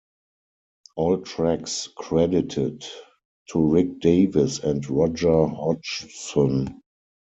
All tracks credited to Rick Davies and Roger Hodgson.